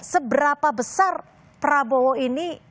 seberapa besar prabowo ini